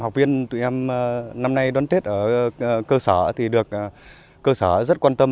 học viên tụi em năm nay đón tết ở cơ sở thì được cơ sở rất quan tâm